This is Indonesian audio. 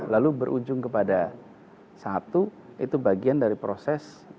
lalu berujung kepada satu itu bagian dari proses